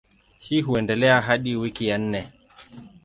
Hii huendelea hadi wiki ya nne.